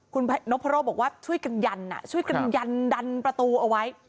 คุณนพรบอกว่าช่วยกันยันช่วยกันยันดันประตูเอาไว้